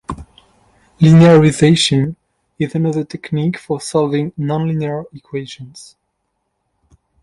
Linearization is another technique for solving nonlinear equations.